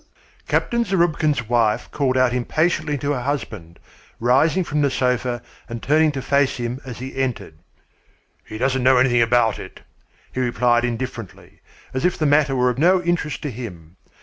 Captain Zarubkin's wife called out impatiently to her husband, rising from the sofa and turning to face him as he entered. "He doesn't know anything about it," he replied indifferently, as if the matter were of no interest to him.